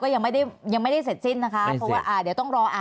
ก็ยังไม่ได้เสร็จสิ้นนะคะเพราะว่าเดี๋ยวต้องรออาจอีก